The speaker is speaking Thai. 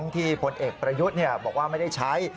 ที่พลเอกประยุทธ์บอกว่าไม่ได้ใช้